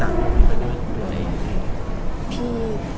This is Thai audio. หรืออะไร